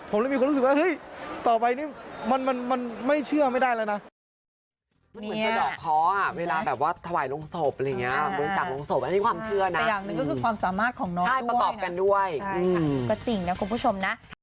ผมเลยมีความรู้สึกว่าเฮ้ยต่อไปนี่มันไม่เชื่อไม่ได้แล้วนะ